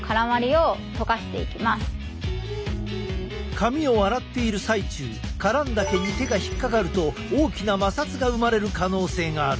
髪を洗っている最中絡んだ毛に手が引っ掛かると大きな摩擦が生まれる可能性がある。